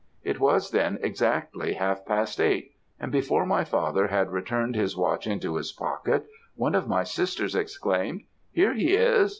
It was then exactly half past eight; and before my father had returned his watch into his pocket, one of my sisters exclaimed, 'Here he is!'